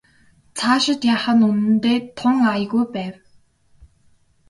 Цаашид яах нь үнэндээ тун аягүй байв.